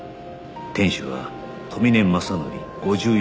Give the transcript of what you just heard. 店主は富峰正紀５４歳